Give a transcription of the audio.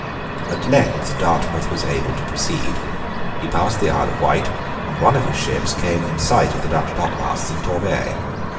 At length Dartmouth was able to proceed. He passed the Isle of Wight, and one of his ships came in sight of the Dutch topmasts in Torbay.